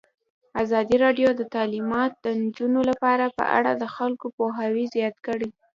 ازادي راډیو د تعلیمات د نجونو لپاره په اړه د خلکو پوهاوی زیات کړی.